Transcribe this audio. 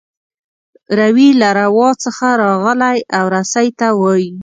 روي له روا څخه راغلی او رسۍ ته وايي.